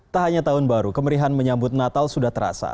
tak hanya tahun baru kemerihan menyambut natal sudah terasa